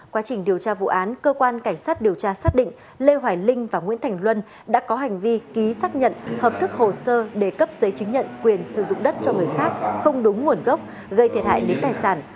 quá trình điều tra vụ án cơ quan cảnh sát điều tra xác định lê hoài linh và nguyễn thành luân đã có hành vi ký xác nhận hợp thức hồ sơ để cấp giấy chứng nhận quyền sử dụng đất cho người khác không đúng nguồn gốc gây thiệt hại đến tài sản